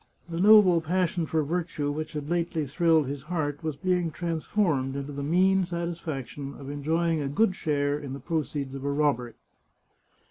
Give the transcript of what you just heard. The noble pas sion for virtue which had lately thrilled his heart was being transformed into the mean satisfaction of enjoying a good share in the proceeds of a robbery.